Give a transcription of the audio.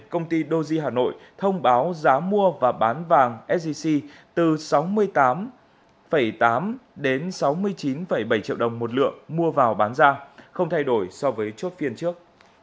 công ty doji hà nội thông báo giá mua và bán vàng sgc từ sáu mươi tám tám đến sáu mươi chín bảy triệu đồng một lượng mua vào bán ra không thay đổi so với chốt phiên trước